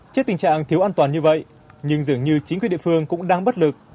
trước tình trạng thiếu an toàn như vậy nhưng dường như chính quyền địa phương cũng đang bất lực